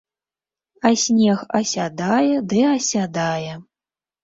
А снег асядае ды асядае.